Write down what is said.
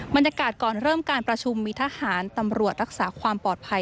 บรรยากาศก่อนเริ่มการประชุมมีทหารตำรวจรักษาความปลอดภัย